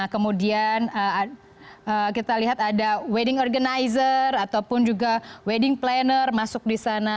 kemudian kita lihat ada wedding organizer ataupun juga wedding planner masuk di sana